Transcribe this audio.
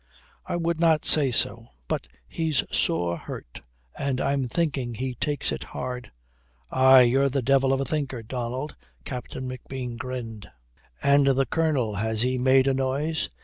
"I would not say so. But he's sore hurt. And I'm thinking he takes it hard." "Aye, you're the devil of a thinker, Donald." Captain McBean grinned. "And the Colonel, has he made a noise?"